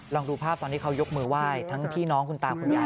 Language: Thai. ลองดูภาพตอนที่เขายกมือไหว้ทั้งพี่น้องคุณตาคุณยาย